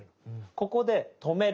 ここで止める。